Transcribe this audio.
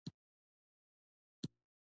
ښه نیت د ذهن روښانتیا ورکوي.